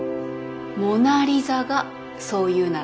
モナ・リザがそう言うなら。